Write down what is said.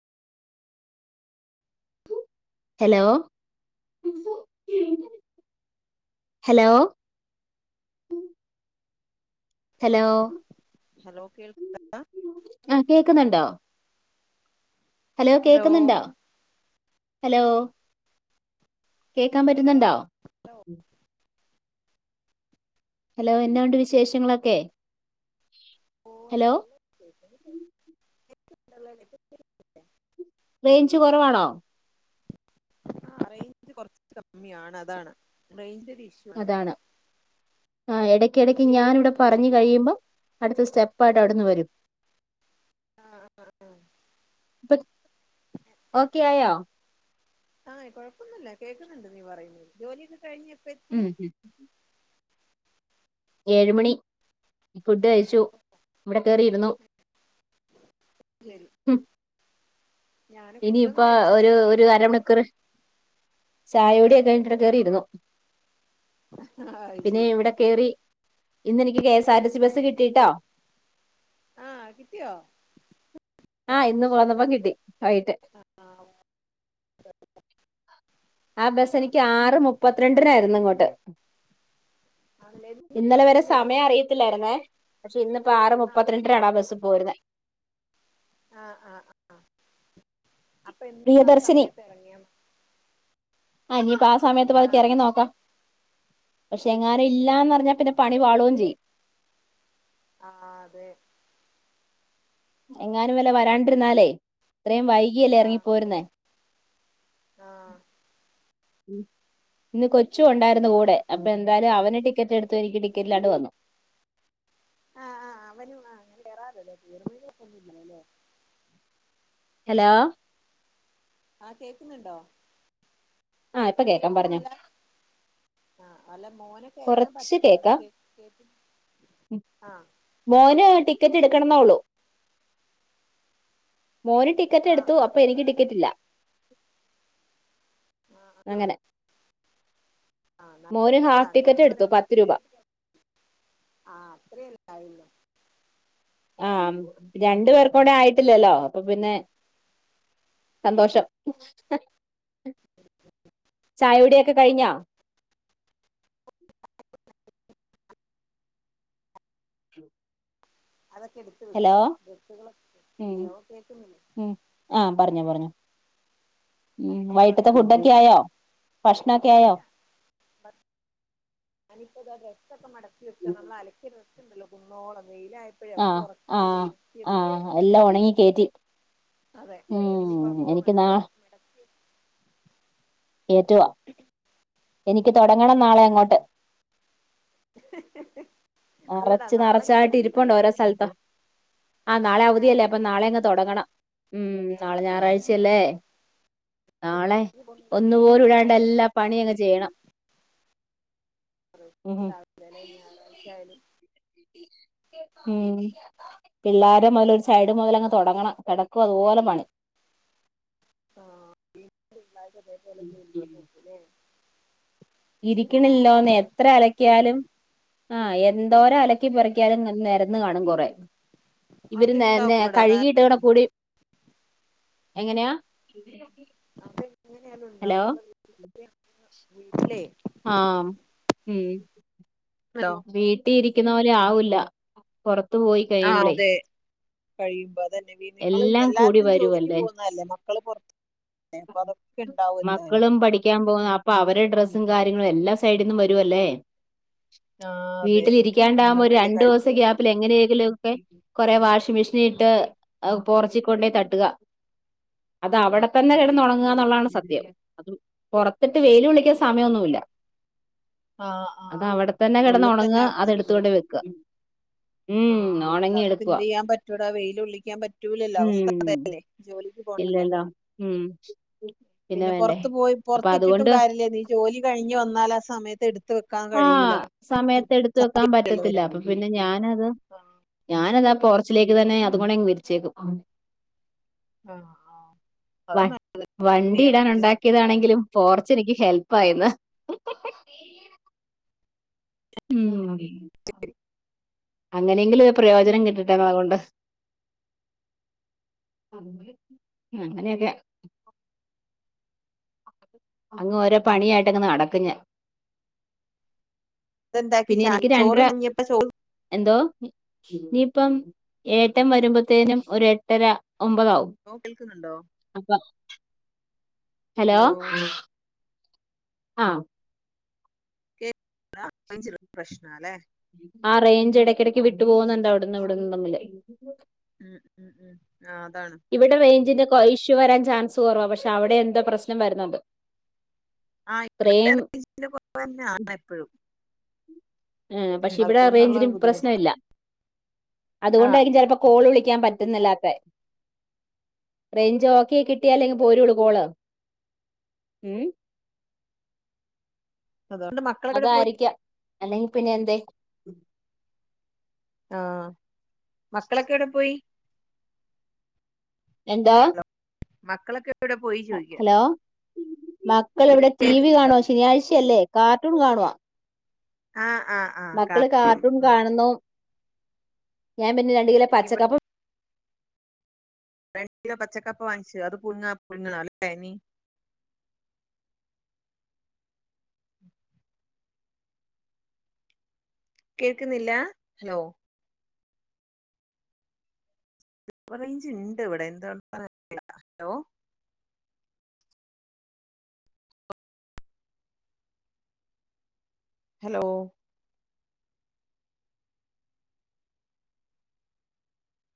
Hello hello hello hello കേൾക്കാ ആഹ കേക്കുന്നുണ്ടോ ഹലോ കേക്കുന്നുണ്ടോ ഹലോ കേക്കാൻ പറ്റുന്നുണ്ടോ ഹലോ എന്താണ്ട് വിശേഷങ്ങളൊക്കെ ഓ ഹലോ നല്ല റേഞ്ച് കുറവാണോ ആ റേഞ്ച് കൊറച്ച് കമ്മിയാണ് അതാണ് റേഞ്ച് അതാണ് ആ ഇടക്ക ഇടക്ക് ഞാന ഇവിടെ പറഞ്ഞി കഴിയുമ്പം അടുത്ത സ്റ്റെപ്പായിട്ട് അവിന്ന വരും ആഹ ഉ ഉ ആക്കയാ ആ കൊഴപ്പൊന്നുല്ല കേക്കിന്നിണ്ട് നീ പറയുന്നു ജോലി ഉം ഹിം ഏഴുമണി ഫുഡ് കയിച്ചു ഇവിടെ കയറിയിരുന്നു ശരി ഞാന് ഫുഡൊന്നും ഇനിയിപ്പൊ കഴിച്ചാ ഒരു ചായ ഒരു അരമണിക്കൂർ ആഹ് ചായോടിയൊക്കെ [inaudible] കെറിഇരുന്നു അത് പിന്നെ ശരി ഇവിടെ കേറി ഇന്നെനിക്ക് കെ സ്സ് ആർ ടിസിി ബസ്സ് കിട്ടിട്ടോ ആ കിട്ടയോ ആ ഇന്ന് കൊളന്നപ്പ കിട്ടി വൈയിട്ട് ആഹ് ആ ബസ് എനിക്ക് ആറ് മുപ്പത്തിരണ്ടിനായിരുന്നു ഇങ്ങോട്ട് ആണല്ലേ എന്നും ആ ഇന്നലെ വരെ ടൈമിന് ഇറങ്ങിയാ സമയം മതി അറിയത്തില്ലായിര്ന്നേ പക്ഷെ ഇന്നപ്പോ ആറ് ആഹ് മുപ്പത്തിരണ്ടിനാടാ ആ ബസ്സ് പോര്ന്നെ ആ ആ ആ പ്രിയദർശനി സമയത്ത് ഇറങ്ങിയാ മതി ആനിപ്പോ ആ സമയത്ത് പത്ക്കെ ആഹ് ഇറങ്ങി നോക്കാ പക്ഷെ എങ്ങാനും ഇല്ലാന്ന്റിഞ്ഞാ പിന്നെ പണി പാളോ ചെയ്യും ആ അതെ എങ്ങാനും വല്ല അങ്ങനെയാണ് വരണ്ടിർന്നാലേ ഇത്രയും വൈകിയല്ലേ ആഹ് ഇറങ്ങിപ്പോരിന്നേ ആഹ് ഇന്ന് കൊച്ചു ഒണ്ടായിരുന്നു അങ്ങനെയാണ് കൂടെ അപ്പൊ എന്തായാലും അവന് ടി ടിക്കറ്റ് എടുത്ത് എനിക്ക് ടിക്കറ്റിലാണ്ട് വന്നു ആ ആ അവനു ആ അങ്ങനെ കേയറാറല്ലേ പർ ഒക്കൊന്നില്ലല്ലേ ഹലോ ആ കേക്കുന്നുണ്ടോ ആ ഇപ്പൊ കേക്കാം പറഞ്ഞോ കേക്കുന്നില്ല ആഹ് അല്ല മോനെ കേറ്റാൻ കുറച്ച് കേക്കാം പറ്റി [inaudible] ആ കടന്നോളൂ മോന് ടിക്കറ്റ് ആഹ് എടുത്തു ആഹ് അപ്പൊ എനിക്ക് ടിക്കറ്റ് ഇല്ല ആഹ് അങ്ങനെ ആഹ് മോന് ഹാഫ് ടിക്കറ്റ് എടുത്തു പത്ത് രൂപ ആ അത്രല്ലായില്ല ആ രണ്ടു പേർക്കൂടെ ആയിട്ടില്ലല്ലോ അപ്പൊ പിന്നെ സന്തോഷം ചായോടിക്കെ കഴിഞ്ഞാ [unintelligible] അതൊക്കെ എടുത്ത് ഹലോ വെക്ക ബൊക്കെ ഉം ഹലോ കേക്ന്നില്ലേ ഉം ഉ വൈകിട്ടത്തെ ഫുഡൊക്കെ ഡ്രസ്സൊക്കെ ആയോ ഭക്ഷണക്കെ ആയോ ഞനിപ്പോതാ ഡ്രസ്സ് ഒക്കെ മടക്കി വെക്കാ നമ്മള് അലക്കിയ ഡ്രസ്സ്‌ ഇണ്ടല്ലോ കുന്നോളം വെയിലായപ്പോഴേ ഒക്കെ ആഹ് ഉറക്കി ആഹ് ഉണക്കി എടുത്തതാ ആഹ് എല്ലാ ഉണങ്ങി കേറ്റി അതെ ഉം ഇനിപ്പോക്കെ എനിക്ക് നാ മടക്കി മടക്കി കേറ്റുവാ എനിക്ക് തൊടങ്ങണം അതെ നാളെ അങ്ങോട്ട് [inaudible] അല്ലടാ നറച്ച് നാളെ ഇനിയിപ്പോ നിറച്ചായിട്ട് ഇരിപ്പണ്ടോ ലീവല്ലേ ഓരോ സ്ഥലത്ത് ആഹ് നാളെ അവധിയല്ലേ അപ്പൊ നാളെ അങ്ങ് തെടങ്ങണം ഉം ആ നാളെ നിനക്ക് ഞായറാഴ്ചയല്ലേ അതന്നെ നാളെ നീ പോകുന്നതുകൊണ്ട് ഒന്നു പോലും ഇടാണ്ട ഞായറാഴ്ച എല്ലാ പണിയങ്ങ് ചെയ്യണം ഉം [unintelligible] ഞായറാഴ്ചയാലും ഉം പിള്ളരെ മുതൽ ഒരു സൈഡ് മുതലങ്ങ് തുടങ്ങണം കിടക്കോ അതുപോലെ പണി [unintelligible] ജോലിക്ക് പോക്കല്ലേ ഇരിക്ക്ണില്ലോന്ന് എത്ര അലക്കിയാലും ആ എന്തോരം ആ അലക്കി പേർക്കിയാലും നെരന്ന് കാണ ഇവര് അത്ണ്ടാവും ഇവിടെ കാരണം കഴികിട്ട കൂടി [unintelligible] എങ്ങനെയാ നമ്മ എങ്ങനെയാലും ഹലോ ഉണ്ടാവും നമ്മ വീട്ട ആഹ് ഉം ഹലോ വീട്ടിലിരി രിക്കുന്ന പോലെ ആവൂല്ല പുറത്തുപോയി ആ കഴിയുമ്പളേ. അതെ കഴിയുമ്പോ അതന്നെ നിങ്ങള് എല്ലാം കൂടി എല്ലാരും ജോലിക്ക് വരുവല്ലേ പോകുന്നതല്ലേ മക്കള് പുറത്ത് മക്കളും പഠിക്കാൻ പോകുന്ന അപ്പൊ അവരുടെ ഡ്രസ്സും കാര്യങ്ങളും എല്ലാ സൈഡിന്നും വരുവല്ലേ. ആ അതെ വീട്ടിലിരിക്കാണ്ടാകുമ്പോ എല്ലാം ഒരു അതിന്റെ രണ്ടു ദിവസം കഴിവ് ഗ്യാപ്പിൽ എങ്ങനെയങ്കിലും ഒക്കെ കൊറെ വാഷ് മെഷീനിട്ട് അത് പോർച്ചിൽ കൊണ്ടോയി തട്ടുക. അതവടതന്നെ അത് കെട തന്നെ. ന്നള്ളതാണ് സത്യം. പൊറത്തിട്ട് വെയില് കൊള്ളിക്കാൻ സമയമൊന്നുല്ല. ആ ആ അതവിടെത്തന്നെ കിടന്ന് ഉള്ളിൽ ഉണങ്ങ തന്നെ അവിടുന്ന് അതെടുത്തുകൊണ്ടോയി വെക്ക. ആഹ് അല്ലാത്പ്പെന്തിയ്യാൻ പറ്റൂടാ വെയിലൊള്ളിക്കാൻ പറ്റൂലല്ലോ ഉം അവസ്ഥ അതല്ലേ. ജോലി ഇല്ലല്ലോ ഉം പിന്നെ പുറത്ത് പോയി അപ്പൊ പുറത്തിട്ടിട്ടും അതുകൊണ്ട് കാര്യല്ലന്നു ഈ ജോലി കഴിഞ്ഞ് വന്നാൽ ആ സമയത്ത് എടുത്ത് വെ ആഹ് സമയത്തെടുത്തുവെക്കാൻ പറ്റത്തില്ല. എല്ലാവരും അപ്പൊ പിന്നെ ഞാനത് ആഹ് ഞ ഞാനന്താ പോർച്ചിലേക്ക് തന്നെ അതുംകൂടെ അങ്ങ് വിരിച്ചേക്കും. ആഹ് വ അതന്നെ എന്ത് വണ്ടി ചെയ്യാൻ ഇടാൻ പറ്റും ഉണ്ടാക്കിയതാണെങ്കിലും പോർച്ച് എനിക്ക് ഹെൽപായെന്ന്. ഉം അങ്ങനെയെങ്കിലും ഒരു പ്രയോജനം കിട്ടിട്ടെ അതുകൊണ്ട്. അങ്ങനെയൊക്കെ. അങ്ങ് ഓരോ പണിയായിട്ട് അങ്ങ് നടക്കുഞ്ഞാൻ. ഇതെന്താക്കി പിന്നെ ചാ എനിക്ക് ചോറ് രണ്ടര തിന്നിയപ്പോ ചോറ് എന്തോ ഇനിയിപ്പം ഏട്ടം വരുമ്പോത്തേനും ഒര് എട്ടര ഒമ്പതാവും. ഹലോ കേൾക്കുന്നുണ്ടോ അപ്പ ഹലോ ആഹ് [inaudible] പ്രശ്നാലെ ഇടക്ക് വിട്ടു പോകുന്നുണ്ട് അവിടന്ന് ഇവിടന്ന് തമ്മില്. ഉം ഉം ഉം ആ അതാണ് റ്റ് വരാൻ ചാൻസ് കുറവാ പക്ഷെ അവിടെ എന്തോ പ്രശ്നം വരുന്നുണ്ട്. ആ ഇവിടെ ഇത്രയും റേജിന്റെ കൊഴപ്പന്നാണ് എപ്പളും. ആ പക്ഷെ ഇവിടെ റേഞ്ചിനും ബുദ്ധിമുട്ട് പ്രശ്നല്ല. ആഹ് അതുകൊണ്ടായിരിക്കും ചിലപ്പോ കോള് വിളിക്കാൻ റേഞ്ച് ഓക്കായി കിട്ടിയാലെല്ലേ പോരുള്ളൂ കോള് ഉം അതുകൊണ്ട് മക്കളെവിടെ പോയി അതായിരിക്കാം അല്ലെങ്കി പിന്നെ എന്തേയ് ആഹ് മക്കളൊക്കെ എവിടെ പോയി എന്താ മക്കളൊക്കെ എവിടെ പോയി ചോദിക്ക ഹലോ മക്കളിവിടെ ടി വി കാണോ ശനിയാഴ്ചയല്ലേ കാർട്ടൂൺ കാണുവ ആഹ് ആഹ് ആഹ് കാ മക്കള് കാർട്ടൂൺ ആയി കാണുന്നു. ഞാൻ പിന്നെ രണ്ട് കിലോ ഇവ പച്ചക്കപ്പ രണ്ട് കിലോ പച്ചക്കപ്പ വാങ്ങിച്ചു അത് പുഴുങ്ങ പുഴുങ്ങണല്ലേ നീ കേൾക്കുന്നില്ല ഹലോ റേഞ്ച് ഇണ്ട് ഇവിടെ എന്തോണ്ടാന്നറീല ഹലോ ഹലോ